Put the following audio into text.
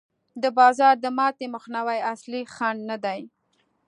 د بازار د ماتې مخنیوی اصلي خنډ نه دی.